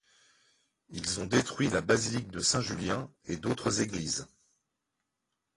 Ils ont détruit la Basilique de Saint-Julien et d'autres églises.